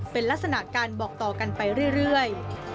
เป็นลักษณะการบอกต่อกันไปเรื่อย